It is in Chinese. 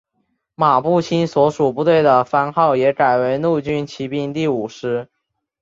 马步青所属部队的番号也改为陆军骑兵第五师。